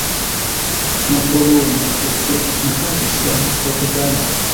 Napoleono ofte mokadis siajn korteganojn.